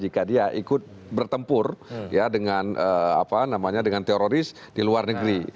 jika dia ikut bertempur dengan teroris di luar negeri